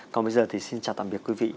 còn bây giờ thì xin chào tạm biệt quý vị